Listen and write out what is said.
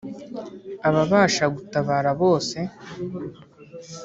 ababasha gutabara bose